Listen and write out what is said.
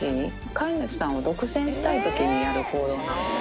飼い主さんを独占したいときにやる行動なんです。